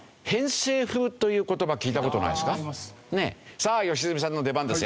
さあ良純さんの出番ですよ。